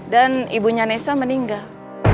dan ibunya nessa meninggal